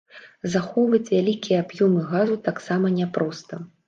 Захоўваць вялікія аб'ёмы газу таксама няпроста.